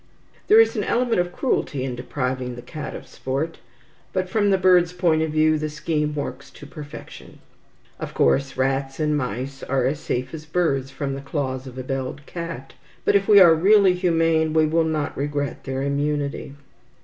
There is an element of cruelty in depriving the cat of sport, but from the bird's point of view the scheme works to perfection. Of course rats and mice are as safe as birds from the claws of a belled cat, but, if we are really humane, we will not regret their immunity.